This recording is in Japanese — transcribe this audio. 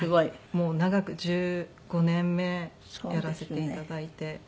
もう長く１５年目やらせて頂いて監察医の役で。